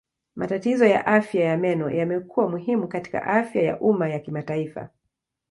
Matatizo ya afya ya meno yamekuwa muhimu katika afya ya umma ya kimataifa.